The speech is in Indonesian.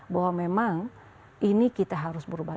bahwa memang ini kita harus berubah